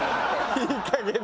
いいかげん。